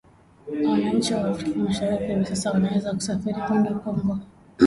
Wananchi wa Afrika Mashariki hivi sasa wanaweza kusafiri kwenda Kongo